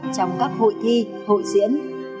trong các hội thi hội diễn